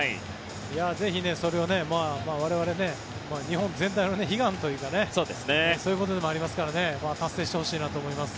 ぜひ、それを我々、日本全体の悲願というかそういうことでもありますから達成してほしいなと思います。